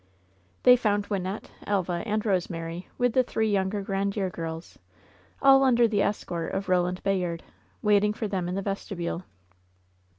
They found Wynnette, Elva and Rosemary, with the three younger Grandiere girls, all under the escort of Roland Bayard, waiting for them in the vestibule.